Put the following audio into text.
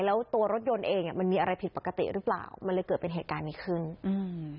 แล้วตัวรถยนต์เองอ่ะมันมีอะไรผิดปกติหรือเปล่ามันเลยเกิดเป็นเหตุการณ์นี้ขึ้นอืม